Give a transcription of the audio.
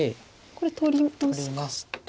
これ取りますか。